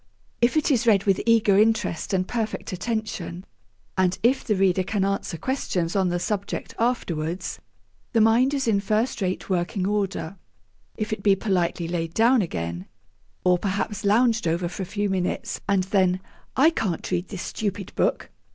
If it is read with eager interest and perfect attention, and if the reader can answer questions on the subject afterwards, the mind is in first rate working order. If it be politely laid down again, or perhaps lounged over for a few minutes, and then, 'I can't read this stupid book!